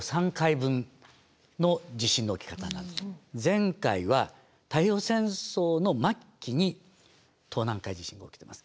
前回は太平洋戦争の末期に東南海地震が起きています。